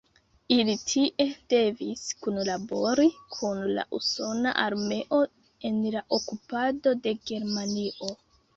Ili tie devis kunlabori kun la usona armeo en la okupado de Germanio.